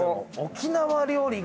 沖縄料理。